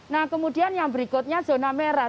nah kemudian yang berikutnya zona merah